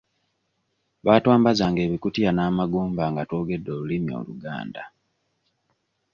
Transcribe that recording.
Baatwambazanga ebikutiya n'amagumba nga twogedde olulimi Oluganda.